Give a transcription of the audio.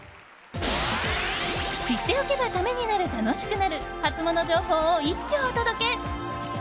知っておけばためになる、楽しくなるハツモノ情報を一挙お届け。